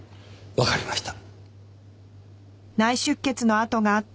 わかりました。